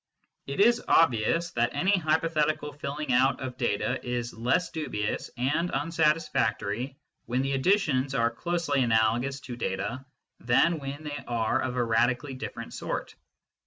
It is obvious that any hypo thetical filling out of data is less dubious and unsatis factory when the additions are closely analogous to data than when they are of a radically different sort.